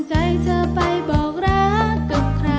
ผมช่วยเธอนะ